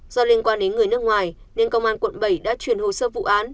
do liên quan đến người nước ngoài nên công an quận bảy đã chuyển hồ sơ vụ án